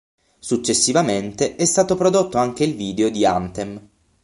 Successivamente è stato prodotto anche il video di "Anthem".